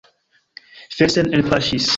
Felsen elpaŝis.